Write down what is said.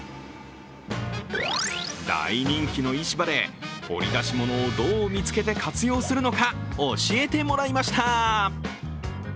大人気の市場で掘り出し物をどう見つけて活用するのか、教えてもらいました。